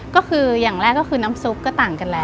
ก็คืออย่างแรกก็คือน้ำซุปก็ต่างกันแล้ว